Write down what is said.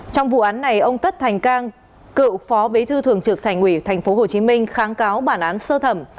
trong vụ án này ông tất thành cang cựu phó bí thư thường trực thành ủy tp hcm kháng cáo bản án sơ thẩm